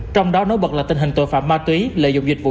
trong đó nối bật là tình hình tội phạm ma túy lợi dụng dịch vụ